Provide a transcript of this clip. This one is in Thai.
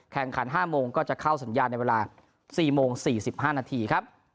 แข่งขัน๕โมงก็จะเข้าสัญญาณในเวลา๔โมง๔๕นาทีครับ